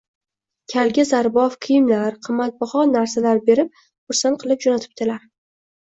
Kalga zarbof kiyimlar, qimmatbaho narsalar berib, xursand qilib jo‘natibdilar